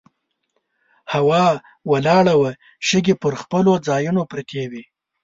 هوا ولاړه وه، شګې پر خپلو ځایونو پرتې وې.